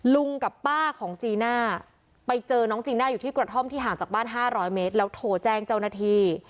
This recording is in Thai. ลุงกับป้าของจีน่าไปเจอน้องจีน่าอยู่ที่กระท่อมที่ห่างจากบ้าน๕๐๐เมตรแล้วโทรแจ้งเจ้าหน้าที่